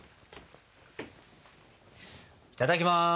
いただきます！